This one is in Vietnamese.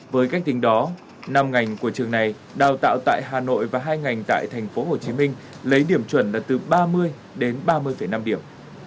với cách tính đó năm ngành của trường này đào tạo tại hà nội và hai ngành tại tp hcm lấy điểm chuẩn là từ ba mươi đến ba mươi năm điểm